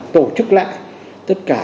tổ chức lại tất cả